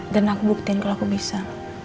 dan aku buktiin kalau aku bisa